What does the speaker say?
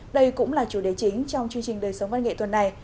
đây cũng là chủ đề chính trong chương trình đời sống văn nghệ tuần này